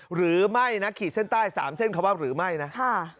หรือไม่นะขีดเส้นใต้๓เส้นคำว่าหรือไม่นะ